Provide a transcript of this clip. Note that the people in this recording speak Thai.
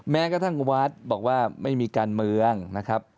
แม้กระทั่งวัดบอกว่าไม่มีการเมืองนะครับ